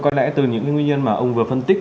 có lẽ từ những nguyên nhân mà ông vừa phân tích